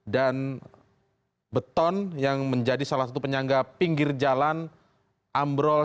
dan beton yang menjadi salah satu penyangga pinggir jalan ambrol